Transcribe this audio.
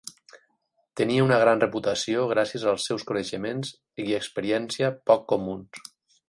Tenia una gran reputació gràcies als seus coneixements i experiència poc comuns.